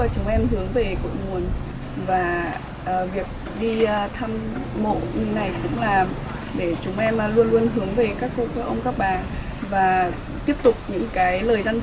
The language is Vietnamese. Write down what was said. chúng em luôn luôn hướng về các cục của ông các bà và tiếp tục những lời dân dạy của các cục cho thế hệ trẻ này